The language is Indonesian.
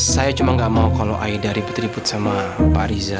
saya cuma nggak mau kalau aida ribut ribut sama pak riza